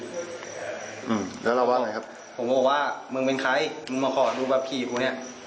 อืมแล้วเราว่าไงครับผมก็บอกว่ามึงเป็นใครมึงมาขอดูแบบขี่กูเนี้ย